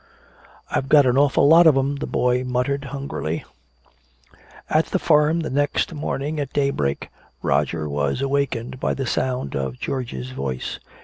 "I've got an awful lot of 'em," the boy muttered hungrily. At the farm, the next morning at daybreak, Roger was awakened by the sound of George's voice.